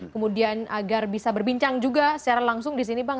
kemudian agar bisa berbincang juga secara langsung di sini bang